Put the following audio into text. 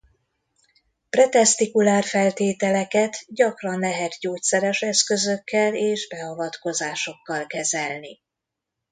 Pre-testicular feltételeket gyakran lehet gyógyszeres eszközökkel és beavatkozásokkal kezelni.